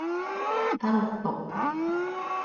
タロット